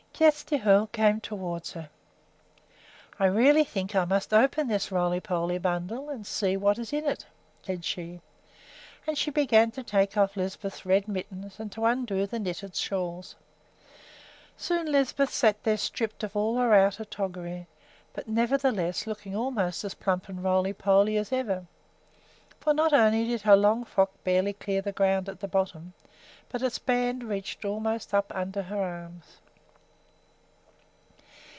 Kjersti Hoel came toward her. "I really think I must open this roly poly bundle and see what is in it," said she; and she began to take off Lisbeth's red mittens and to undo the knitted shawls. Soon Lisbeth sat there stripped of all her outer toggery, but nevertheless looking almost as plump and roly poly as ever; for not only did her long frock barely clear the ground at the bottom, but its band reached almost up under her arms.